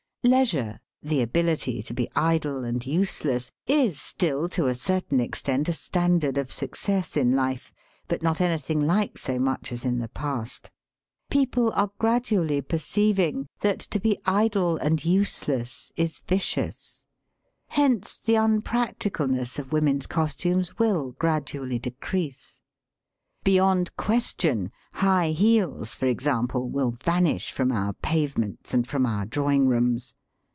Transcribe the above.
Leisure, the ability to be idle and useless, is still to a certain extent a standard of success in life, but not anything like so much as in the past. People are gradually perceiving that to be idle and useless is vicious. Hence the unprac ticalness of women^s costumes will gradually de crease. Beyond question high heels, for exam ple, will vanish from our pavements and from our drawing rooms.